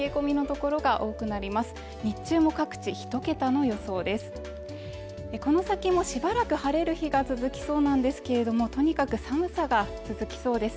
この先もしばらく晴れる日が続きそうなんですけれどもとにかく寒さが続きそうです